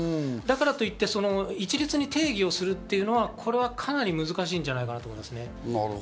だからといって、一律に定義をするというのは、かなり難しいんじゃないかと思います。